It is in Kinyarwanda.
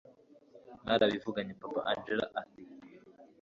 mwarabivuganye papa angella ati